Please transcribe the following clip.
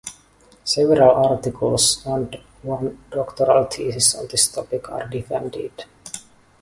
Several articles and one doctoral thesis on this topic are defended.